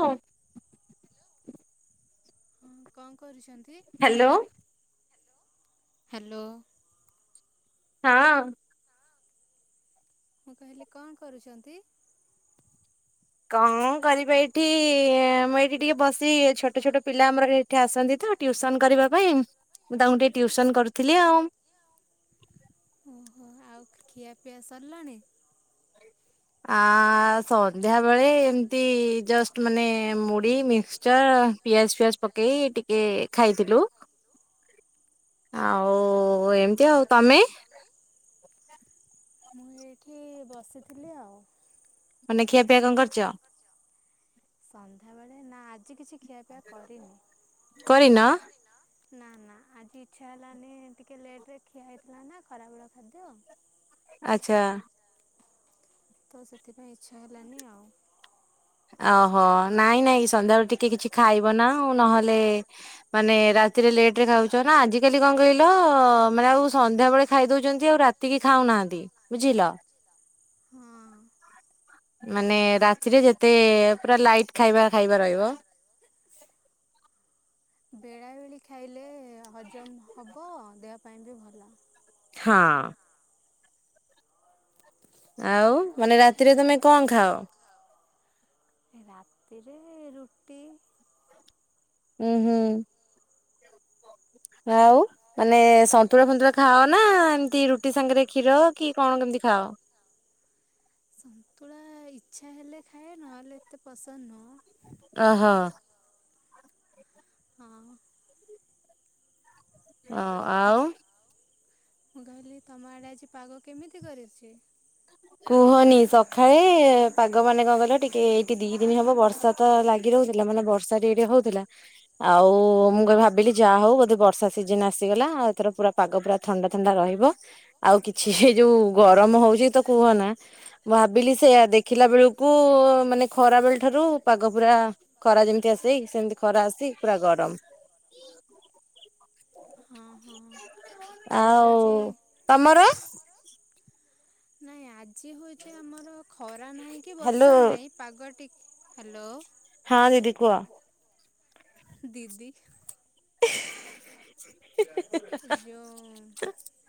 ହଁ [inaudible] ହଁ କଁ କରୁଛନ୍ତି? ହ୍ୟାଲୋ। ହାଲୋ। ହଁ। ମୁଁ କହିଲି କଁ କରୁଚନ୍ତି? କଁ କରିବା ଏଇଠି ମୁଁ ଏଇଠି ଟିକେ ବସି ଛୋଟ ଛୋଟ ପିଲା ଆମର ଏଠି ଆସନ୍ତି ତ ଟ୍ୟୁଉସନ୍ କରିବା ପାଇଁ ମୁଁ ତାଙ୍କୁ ଟିକେ ଟ୍ୟୁଉସନ୍ କରୁଥିଲି ଆଉ। ଓହୋ ଆଉ ଖିଆ ପିଆ ସର୍ଲାଣି ଆ ସନ୍ଧ୍ୟାବେେଳେ ଏମିତି ଜଷ୍ଟ୍ ମାନେ ମୁଢି ମିକ୍ସଚର୍ ପିଆଜ୍ ଫିଆଜ୍ ପକେଇ ଟିକେ ଖାଇଥିଲୁ। ଆଉ ଏମିତି ଆଉ ତମେ? ମୁଁ ଏଇଠି ଟି ବସିଥିଲି ଆଉ। ମାନେ ଖିଆ ପିଆ କଁ କରିଚ? ସନ୍ଧ୍ୟାବେଳେ ନା ଆଜି କିଛି ଖିଆପିଆ କରିନି। କରିନ ନା ନା ଆଜି ଇଚ୍ଛା ହେଲାନି ଟିକେ ଲେଟ୍ ରେ ଖିଆ ହେଇଥିଲା ନା ଖରାବେଳ ଖାଦ୍ୟ ଆଛା ତ ସେଥିପାଇଁ ଇଚ୍ଛା ହେଲାନି ଆଉ ଓହୋ ନାଇଁ ନାଇଁ ସନ୍ଧ୍ୟାବେଳ ଟିକେ କିଛି ଖାଇବ ନା ଆଉ ନହେଲେ ମାନେ ରାତିରେ ଲେଟ୍ ରେ ଖାଉଛ ନା ଆଜିିକାଲି କଣ କହିଲ ମାନେ ଆଉ ସନ୍ଧ୍ୟା ବେଳେ ଖାଇ ଦଉଛନ୍ତି ଆଉ ରାତି କି ଖାଉନାହାନ୍ତି ବୁଝିଲ ହଁ ମାନେ ରାତିରେ ଯେତେ ପୁରା ଲାଇଟି ଖାଇବା ଖାଇବା ରହିବ ବେଳାବେଳି ଖାଇଲେ ହଜମ ହବ ଦେହ ପାଇଁ ବି ଭଲ ହଁ ଆଉ ମାନେ ରାତିରେ ତମେ କଣ ଖାଅ ରାତିରେ ରୁଟି ହୁଁ ହୁଁ ଆଉ ମାନେ ସନ୍ତୁଳା ଫନ୍ତୁଳା ଖାଅ ନା ଏମିତି ରୁଟି ସାଙ୍ଗରେ କ୍ଷୀର କି କଣ କେମିତି ଖାଅ ସନ୍ତୁଳା ଇଚ୍ଛା ହେଲେ ଖାଏ ନହେଲେ ଏତେ ପସନ୍ଦ ନୁହଁ ଓହୋ ହଁ ଅ ଆଉ ମୁଁ କହିଲି ତମ ଆଡ଼େ ଆଜି ପାଗ କେମିତି କରିଛି କୁହନି ସକାଳେ ପାଗ ମାନେ କଣ କହିଲ ଟିକେ ଏଇଠି ଦି ଦିନି ହବ ବର୍ଷା ତ ଲାଗି ରହୁଥିଲା ମାନେ ବର୍ଷା ଟିକେ ଟିକେ ହଉଥିଲା ଆଉ ମୁଁ ଭାବିଲି ଯାହା ହଉ ବୋଧେ ବର୍ଷା ସିଜିନି ଆସିଗଲା ଆଉ ଏଥର ପୁରା ପାଗ ପୁରା ଥଣ୍ଡା ଥଣ୍ଡା ରହିବ ଆଉ କିଛି ଯୋଉ ଗରମ ହଉଛି ତ କୁହନା ଭାବିଲି ସେଇଆ ଦେଖିଲା ବେଳକୁ ମାନେ ଖରା ବେଳ ଠାରୁ ପାଗ ପୁରା ଖରା ଯେମିତି ଆସେ ସେମିତି ଖରା ଆସି ପୁରା ଗରମ ହଁ ହଁ ଆଉ ତମର ନାଇଁ ଆଜି ହେଉଛି ଆମର ଖରା ନାହିଁ କି ବର୍ଷା ନାହିଁ ପାଗଟି ହ୍ୟାଲୋ ହଁ ଦିଦି କୁହ ଦିଦି ହିଁ ହି ଯଉ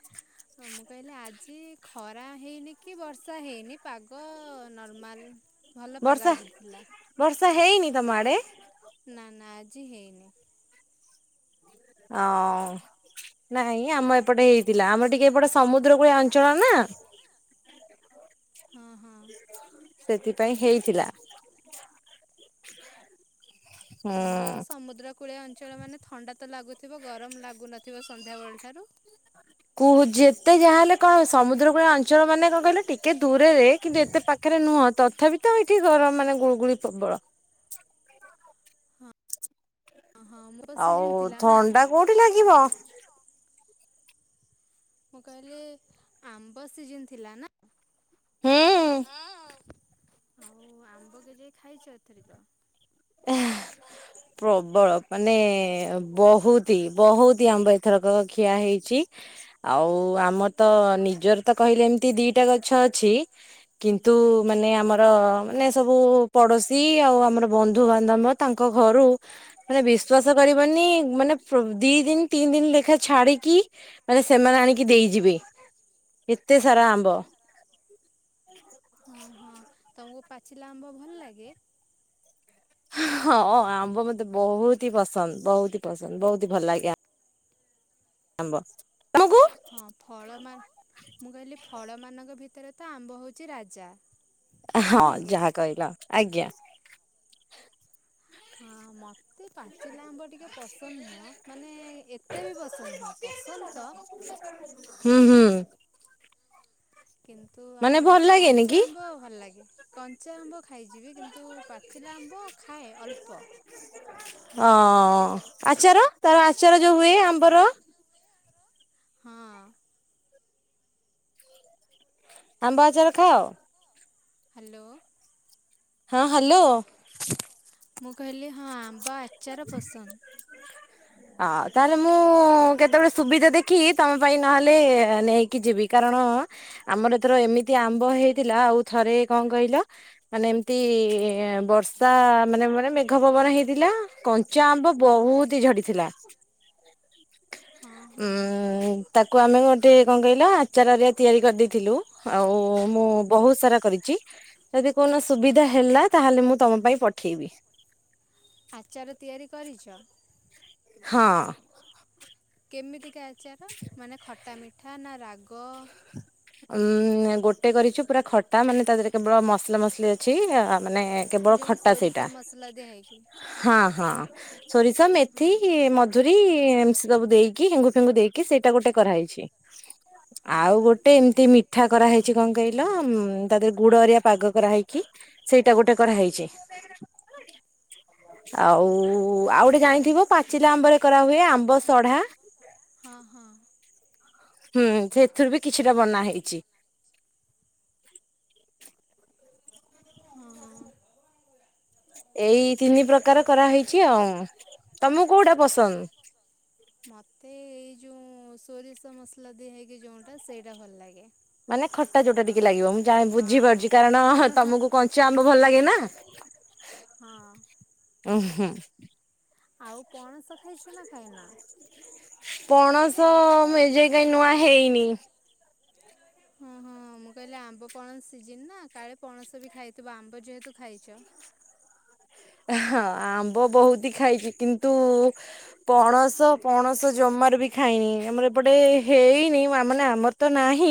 ହଁ ହଁ ମୁଁ କହିଲି ଆଜି ଖରା ହେଇନି କି ବର୍ଷା ହେଇନି ପାଗ ନର୍ମାଲ୍ ଭଲ ପାଗ ଆଜି ଥିଲା ବର୍ଷା ହେଇନି ତମ ଆଡ଼େ ନା ନା ଆଜି ହେଇନି ହଁ ନାଇଁ ଆମ ଏପଟେ ହେଇଥିଲା ଆମର ଟିକେ ଏପଟେ ସମୁଦ୍ର କୂଳିଆ ଅଞ୍ଚଳ ନା ହ ସେଥିପାଇଁ ହେଇଥିଲା ତମର ତ ସମୁଦ୍ର କୁଳିଆ ଅଞ୍ଚଳ ମାନେ ଥଣ୍ଡା ତ ଲାଗୁଥିବ ଗରମ ଲାଗୁନଥିବ ସନ୍ଧ୍ୟାବେଳ ଠାରୁ। କୁହୁ ଯେତେ ଯାହାହେଲେ କଣ ସମୁଦ୍ର କୁଳିଆ ଅଞ୍ଚଳ ମାନେ କଣ କହିଲେ ଟିକେ ଦୂରରେ କିନ୍ତୁ ଏତେ ପାଖରେ ନୁହଁ ତଥାପି ତ ଏଇଠି ଗରମ ମାନେ ଗୁଳଗୁଳି ପ୍ରବଳ। ହଁ ମୋ ସିଜନ୍ ଥିଲା ନା। କେଉଁଠି ଲାଗିବ? [unintelligible] ମୁଁ କହିଲି ଆମ୍ବ ସିଜନ୍ ଥିଲା ନା। ଆଉ ଆମ୍ବ କେ ଯାଇ ଖାଇଛ ଏଥରକ? [unintelligible] ପ୍ରବଳ ମାନେ ବହୁତୀ ବାହୁତୀ ଆମ୍ବ ଏଥରକ ଖିଆ ହେଇଛି। ଆଉ ଆମର ତ ନିଜର ତ କହିଲେ ଏମିତି ଦିଟା ଗଛ ଅଛି। କିନ୍ତୁ ମାନେ ଆମର ମାନେ ସବୁ ପଡୋଶୀ ଆଉ ଆମର ବ ନ୍ଧୁ ବାନ୍ଧମ ତାଙ୍କ ଘରୁ ମାନେ ବିଶ୍ୱାସ କରିବନି ମାନେ ଫ୍ ଦି ଦିନ ତିନି ଦିନ ଲେଖା ଛାଡିକି ମାନେ ସେମାନେ ଆଣିକି ଦେଇଯିବେ ଏତେ ସାରା ଆମ୍ବ। ହଁ ହଁ। ତମକୁ ପାଚିଲା ଆମ୍ବ ଭଲ ଲାଗେ? ହଁ ଆମ୍ବ ମତେ ବହୁତ ହି ପସନ୍ଦ ବହୁତ ହି ପସନ୍ଦ ବହୁତ ହି ଭଲ ଲାଗେ ଆ ଆମ୍ୱ। ତମକୁ? ହଁ ଫଳ ମା ମୁଁ କହିଲି ଫଳମାନଙ୍କ ଭିତରେ ତ ଆମ୍ବ ହେଉଛି ରାଜା। ହଁ ଯାହା କହିଲ ଆଜ୍ଞା। ହଁ ମୋତେ ପାଚିଲା ଆମ୍ବ ଟିକେ ପସନ୍ଦ ନୁହଁ ମାନେ ଏତେ ବି ପସନ୍ଦ ନୁହଁ। ପସନ୍ଦ ତ ହୁଁ ହୁଁ। କିନ୍ତୁ ଆଉ ହଉଛି କଞ୍ଚା ଆମ୍ବ ଭଲ ଲାଗେ କଞ୍ଚା ଆମ୍ବ ଖାଇଯିବେ କିନ୍ତୁ ପାଚିଲା ଆମ୍ବ ଖାଏ ଅଳ୍ପ। ଓ ଆଚାର ତାର ଆଚାର ଯୋଉ ହୁଏ ଆମ୍ବର। ହଁ। ଆମ୍ବ ଆଚାର ଖାଅ? ହ୍ୟାଲୋ। ହଁ ହ୍ୟାଲୋ। ମୁଁ କହିଲି ହଁ ଆମ୍ବ ଆଚାର ପସନ୍ଦ। [unintelligible] ଆଉ ତାହେଲେ ମୁଁ କେତେବେଳେ ସୁବିଧା ଦେଖି ତମ ପାଇଁ ନହେଲେ ନେଇକି ଯିବି କାରଣ ଆମର ଏଥର ଏମିତି ଆମ୍ବ ହେଇଥିଲା ଆଉ ଥରେ କଣ କହିଲ ମାନେ ଏମିତି ବର୍ଷା ମାନେ ମାନେ ମେଘ ପବନ ହେଇଥିଲା। କଞ୍ଚା ଆମ୍ବ ବହୁତ ହି ଝଡିଥିଲା। ଉଁ ତାକୁ ଆମେ ଗୋଟେ କଣ କହିଲ ଆଚାରରେ ତିଆରି କରିଦେଇଥିଲୁ ଆଉ ମୁଁ ବହୁତ ସାରା କରିଛି। ଯଦି କୋଉଦିନ ସୁବିଧା ହେଲା ତାହେଲେ ମୁଁ ତମ ପାଇଁ ପଠେଇବି। ଆଚାର ତିଆରି କରିଛ? ହଁ। କେମିତିକା ଆଚାର ମାନେ ଖଟା ମିଠା ନା ରାଗ? ଉଁ ଗୋଟେ କରିଚୁ ପୁରା ଖଟା ମାନେ ତା ଦେରେ କେବଳ ମସଲା ମସଲି ଅଛି ଆ ମାନେ। ଯଉ ସୋରିଷ ମସଲା ଦିଆ ହେଇକି। ହଁ ହଁ ସୋରିଷ ମେଥି ମ ଧୁରୀ ଏମିତି ସବୁ ଦେଇକି ହେଙ୍ଗୁ ଫେଙ୍ଗୁ ଦେଇକି ସେଇଟା ଗୋଟେ କରାହେଇଛି। ଆଉ ଗୋଟେ ଏମିତି ମିଠା କରାହେଇଚି କଣ କହିଲ ଉଂ ତା ଦେରେ ଗୁଡ ହେରିଆ ପାଗ କରାହେଇକି। ସେଇଟା ଗୋଟେ କରାହେଇଛି। ଆଉ ଆଉ ଗୋଟେ ଜାଣିଥିବ ପାଚିଲା ଆମ୍ବରେ କରାହୁଏ ଆମ୍ବ ସଢା। ହଁ ହଁ। ହୁଁ ସେଇଥିରୁ ବି କିଛିଟା ବନା ହେଇଛି। ହଁ ହଁ। ଏଇ ତିନି ପ୍ରକାର କରାହେଇଛି ଆଉ ତମକୁ କୋଉଟା ପସନ୍ଦ? ମୋତେ ଏଇ ଯଉ ସୋରିଷ ମସଲା ଦିଆ ହେଇକି ଯଉଁଟା ସେଇଟା ଭଲ ଲାଗେ। ମାନେ ଖଟା ଯୋଉଟା ଟିକେ ଲାଗିବ ମୁଁ ଜା ବୁଝିପାରୁଚି କାରଣ ତମକୁ କଞ୍ଚା ଆମ୍ବ ଭଲ ଲାଗେ ନା। ହଁ। ଉଁ ହୁଁ। ଆଉ ପଣସ ଖାଇଛ ନା ଖାଇନ? ପଣସ ମୁଁ ଏ ଯାଇ କାଇଁ ନୂଆ ହେଇନି। ହଁ ହଁ ମୁଁ କହିଲି ଆମ୍ବ ପଣସ ସିଜିନ ନା କାଳେ ପଣସ ବି ଖାଇଥିବ ଆମ୍ବ ଯେହେତୁ ଖାଇଛ। ହଁ ଆମ୍ବ ବହୁତ ହି ଖାଇଚି କିନ୍ତୁ। ପଣସ ପଣସ ଜମାରୁ ବି ଖାଇନି ଆମର ଏପଟେ ହେଇନି ମ ଆମ୍ ମାନେ ଆମ ତ ନାହିଁ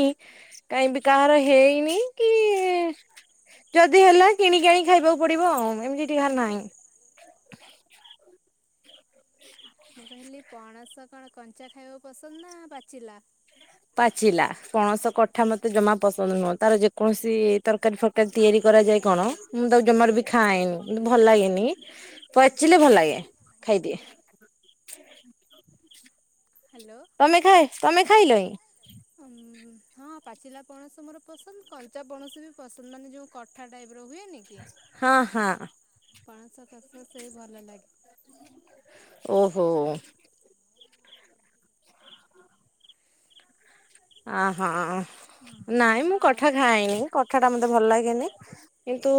କାହିଁ ବିି କାହାର ହେଇନି କି। ଯଦି ହେଲା କିଣିକି ଆଣି ଖାଇବାକୁ ପଡିବ ଆଉ ଏମିତି ଟିହା ନାହିଁ। ହ ମୁଁ କହିଲି। ପଣସ କଣ କଞ୍ଚା ଖାଇବାକୁ ପସନ୍ଦ ନା ପାଚିଲା? ପାଚିଲା। ପଣସ କଠା ମତେ ଜମା ପସନ୍ଦ ନୁହଁ ତାର ଯେକୌଣସି ତରକାରୀ ଫରକାରୀ ତିଆରି କରାଯାଏ କଣ। ମୁଁ ତାକୁ ଜମାରୁ ବି ଖାଏନି କିନ୍ତୁ ଭଲ ଲାଗେନି ପାଚିଲେ ଭଲ ଲାଗେ ଖାଇଦିଏ। ହାଲୋ। ତମେ ଖାଏ ତମେ ଖାଇଲ ଇଁ ଅଂମ୍ ହଁ ପାଚିଲା ପଣସ ମୋର ପସନ୍ଦ କଞ୍ଚା ପଣସ ବି ପସନ୍ଦ୍ ମାନେ ଯୋଉ କଠା ଟାଇପ୍ ର ହୁଏନି କି ପଣସ କସ ସେ ଭଲ ଲାଗେ। ଓ ହୋଉଁ। ଆ ହଁ ନାଇଁ ମୁଁ କଠା ଖାଏନି କଠା ଟା ମତେ ଭଲ ଲାଗେନି। କିନ୍ତୁ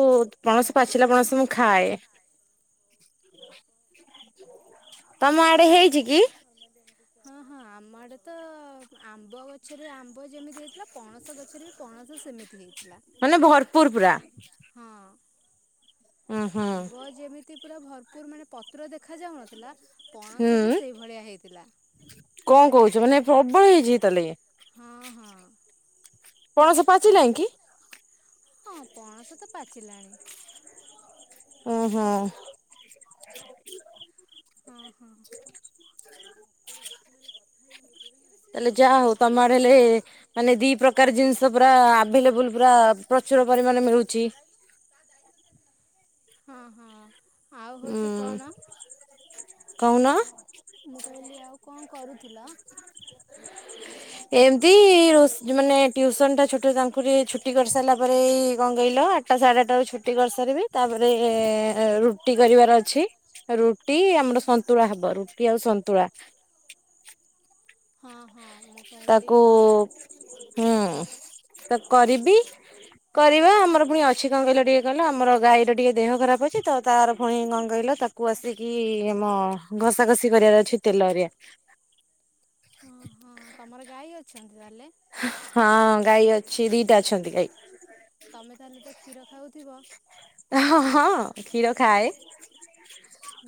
ପଣସ ପାଚିଲା ପଣସ ମୁଁ ଖାଏ। ତମ ଆଡେ ହେଇଚି କି? ହଁ। ହଁ ଆମ ଆଡେ ତ ଆମ୍ବ ଗଛରେ ଆମ୍ବ ଯେମିତି ହେଇଥିଲା ପଣସ ଗଛରେ ବି ପଣସ ସେମିତି ହେଇଥିଲା। ମାନେ ଭରପୁର ପୁରା। ହଁ। ଆମ୍ବ ଯେମିତି ପୁରା ଭରପୁରୁ ମାନେ ପତ୍ର ଦେଖା ଯାଉନଥିଲା ପଣସ ବି ସେଉ ଭଳିଆ ହେଇଥିଲା। କଁ କହୁଛ ମାନେ ପ୍ରବଳ ହେଇଛି ତାଲେ। ହଁ ହଁ ଆଁ। ହଁ ପଣସ ତ ପାଚିଲାଣି। ଉଁ ହୁଁ। ହଁ ହଁ। ତାଲେ ଯାହା ହଉ ତମ ଆଡେ ହେଲେ ମାନେ ଦି ପ୍ର ପ୍ରକାର ଜିନ୍ଷ ପୁରା ଆଭେଲେବୁଲ୍ ପୁରା ପ୍ରଚୁର ପରିମାଣେ ମିଳୁଚି। ହଁ ହଁ ଆଉ ହୋଉଚି କଣ? କହୁନ? ମୁଁ କହିଲି ଆଉ କଣ କରୁଥିଲ? ଏମ୍ତି ରୁସ୍ ମାନେ ଟ୍ୟୁସନ୍ ଟା ଛୋଟ ତାଙ୍କୁ ଟିକେ ଛୁଟି କରିସାରିଲା ପରେ ଏଇ କଣ କହିଲ ଆ ଠଟା ସାଢ଼େ ଆଠ୍ ଟା ବେଳୁକୁ ଛୁଟି କରିସାରିବି ତାପରେ ଆ ରୁଟି କରିବାର ଅଛି। ରୁଟି ଆମର ସନ୍ତୁଳା ହବ ରୁଟି ଆଉ ସନ୍ତୁଳା। ତାକୁ ହୁଁ ତ କରିବି। କରିବା ଆମର ପୁଣି ଅଛି କଣ କହିଲ ଟିକେ କଲ ଆମର ଗାଈର ଟିକେ ଦେହ ଖରାପ ଅଛି ତ ତାର ଫୁଣି କଣ କହିଲ ତା କୁ ଆସିକି ମ ଘଷା ଘଷି କରିବାର ଅଛି ତେଲ ଘରିକା। ହଁ ହଁ। ହଁ ତମର ଗାଈ ଅଛନ୍ତି ତାହେଲେ? ହଁ ଗାଈ ଅଛି ଦିଟା ଅଛନ୍ତି ଗାଈ। ତମେ ତାହେଲେ ତ କ୍ଷୀର ଖାଉଥିବ? ଏ ହଁ ହଁ କ୍ଷୀର ଖାଏ।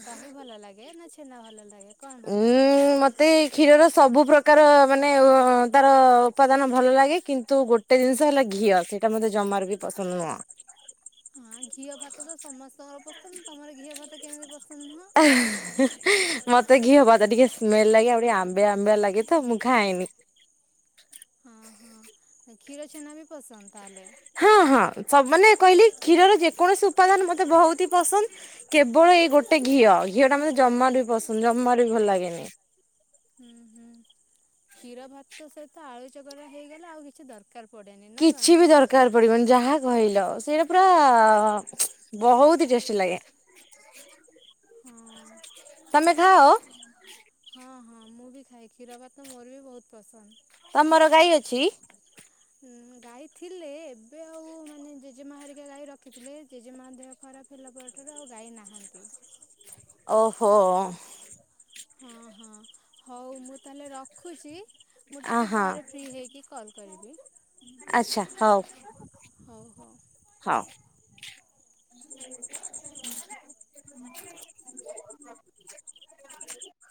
ଦହି ଭଲ ଲାଗେ ନା ଛେନା ଭଲ ଲାଗେ କଣ ଭଲ୍ ଲାଗେ? ତେ କ୍ଷୀରର ସବୁ ପ୍ରକାର ମାନେ ବ ତାର ଉପାଦାନ ଭଲ ଲାଗେ କିନ୍ତୁ ଗୋ ଟେ ଜିନ୍ଷ ହେଲା ଘିଅ ସେଇଟା ମତେ ଜମାରୁ ବି ପସନ୍ଦ୍ ନୁହଁ। ହଁ ଘିଅ ଭାତ ତ ସମସ୍ତଙ୍କର ପସନ୍ଦ୍ ତମର ଘିଅ ଭାତ କେମିତି ପସନ୍ଦ୍ ନୁହଁ? ମତେ ଘିଅ ଭାତ ଟିକେ ସ୍ମେଲ୍ ଲାଗେ ଆଉ ଟିକେ ଆମ୍ବିଳା ଆମ୍ବିଳା ଲାଗେ ତ ମୁଁ ଖାଏନି। ହଁ ହଁ କ୍ଷୀର ଛେନା ବି ପସନ୍ଦ ତାହେଲେ? ହଁ ହଁ ସବ୍ ମାନ କହିଲି କ୍ଷୀରର ଯେକୌଣସି ଉପାଦାନ୍ ମତେ ବହୁତ୍ ହି ପସନ୍ଦ୍। କେବଳ ଏଇ ଗୋଟେ ଘିଅ ଘିଅ ଟା ମତେ ଜମାରୁ ବି ପସନ୍ଦ୍ ନୁ ଜମାରୁ ବି ଭଲ ଲାଗେନି। ହୁଁ ହୁଁ। କ୍ଷୀର ଭାତ ସହିତ ଆଳୁ ଚକଟା ହେଇଗଲେ ଆଉ କିଛି ଦର୍ କାର୍ ପଡ଼େନି। କିଛି ବି ଦରକାର୍ ପଡିବନି ଯାହା କହିଲ ସେଇଟା ପୁରା ବହୁତ ହି ଟେଷ୍ଟି ଲାଗେ। ତମେ ଖାଅ? ହଁ ମୁଁ ବି ଖାଏ କ୍ଷୀର ଭାତ ମୋର ବି ବହୁତ୍ ପସନ୍ଦ୍। ତମର ଗାଈ ଅଛି? ହୁଁ ଗାଈ ଥିଲେ ଏବେ ଆଉ ମାନେ ଜେଜେମା ହେରିକା ଗାଈ ରଖିଥିଲେ ଜେଜେମା ଦେହ। ଖରାପ ହେଲା ପରଠାରୁ ଆଉ ଗାଈ ନାହାନ୍ତି। ଓହୋ। ହଁ ହଁ ହଉ ମୁଁ ତାହେଲେ ରଖୁଛି। ମୁଁ ଟିକେ ପରେ ଫ୍ରି ହେଇକି କଲ୍ କରିବି। ଆଚ୍ଛା ହଉ। ହଉ ହଉ ହଉ। ହଉ। [inaudible]